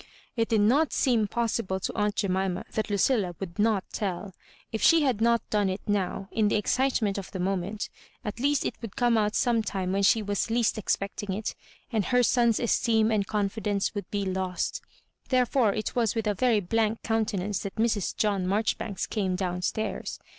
It did not seem possible to aunt Jemima that Ludlla would not telL If she had not done it now, in the ezdtement of the moment, at least it would come out some time when she was least expecting it, and her son's esteem and confi dence would be lost Therefore it was with a very blank countenance that Mrs. John Maijo ribanks came down stairs.